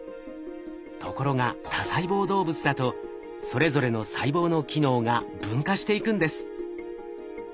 ところが多細胞動物だとそれぞれの細胞の機能が分化していくんです。